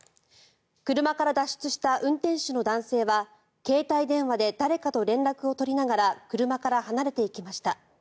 車から脱出した運転手の男性は携帯電話で誰かと連絡を取りながら車から離れていきました。